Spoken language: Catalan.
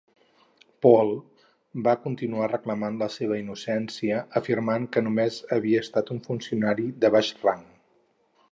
Pohl va continuar reclamant la seva innocència afirmant que només havia estat un funcionari de baix rang.